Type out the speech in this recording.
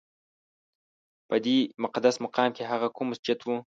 په دې مقدس مقام کې هغه کوم مسجد و؟